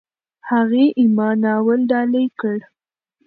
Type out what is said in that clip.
هغې "اِما" ناول ډالۍ کړ.